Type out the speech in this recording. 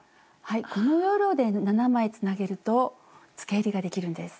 この要領で７枚つなげるとつけえりができるんです。